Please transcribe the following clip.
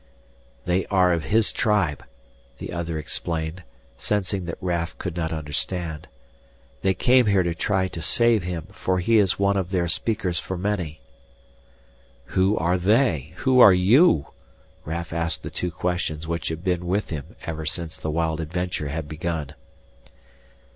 "They are of his tribe," the other explained, sensing that Raf could not understand. "They came here to try to save him, for he is one of their Speakers for Many." "Who are they? Who are you?" Raf asked the two questions which had been with him ever since the wild adventure had begun.